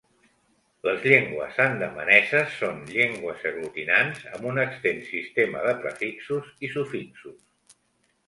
Les llengües andamaneses són llengües aglutinants, amb un extens sistema de prefixos i sufixos.